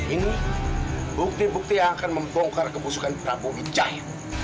ini bukti bukti yang akan membongkar kebusukan prabu wijaya